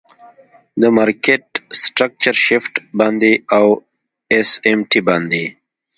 د مارکیټ سټرکچر شفټ باندی او آس آم ټی باندی.